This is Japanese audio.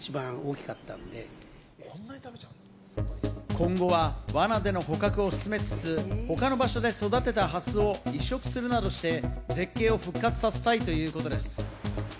今後は罠での捕獲を進めつつ、他の場所で育てたハスを移植するなどして、絶景を復活させたいということです。